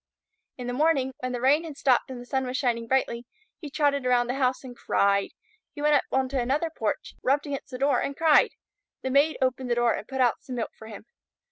In the morning, when the rain had stopped and the sun was shining brightly, he trotted around the house and cried. He went up on to another porch, rubbed against the door and cried. The Maid opened the door and put out some milk for him.